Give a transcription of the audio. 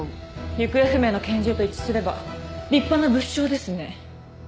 行方不明の拳銃と一致すれば立派な物証ですね。